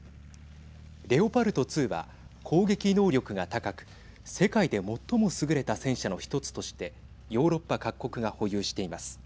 レオパルト２は攻撃能力が高く世界で最も優れた戦車の１つとしてヨーロッパ各国が保有しています。